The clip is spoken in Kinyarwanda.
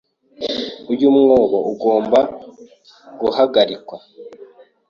Uyu mwobo ugomba guhagarikwa.